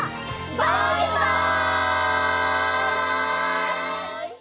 バイバイ！